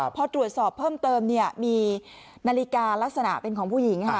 พอตรวจสอบเพิ่มเติมมีนาฬิกาลักษณะเป็นของผู้หญิงค่ะ